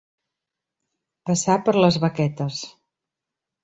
Passar per les baquetes.